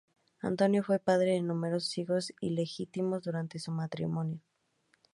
Antonio fue padre de numerosos hijos ilegítimos durante su matrimonio.